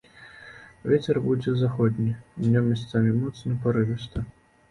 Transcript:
Вецер будзе заходні, днём месцамі моцны парывісты.